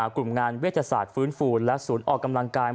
กลุ่มงานเวชศาสตร์ฟื้นฟูและศูนย์ออกกำลังกาย